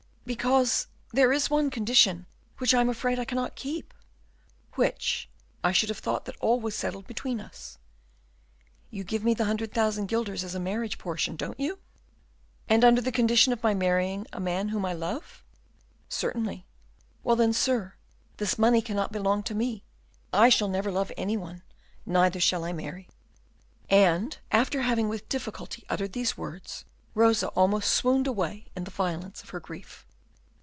"Because there is one condition which I am afraid I cannot keep." "Which? I should have thought that all was settled between us." "You give me the hundred thousand guilders as a marriage portion, don't you?" "Yes." "And under the condition of my marrying a man whom I love?" "Certainly." "Well, then, sir, this money cannot belong to me. I shall never love any one; neither shall I marry." And, after having with difficulty uttered these words, Rosa almost swooned away in the violence of her grief.